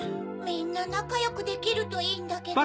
みんななかよくできるといいんだけど。